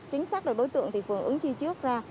chính xác được đối tượng thì phường ứng chi trước ra